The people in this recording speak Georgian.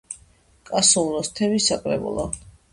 კასუმლოს თემის საკრებულო.